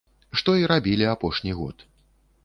Што і рабілі апошні год.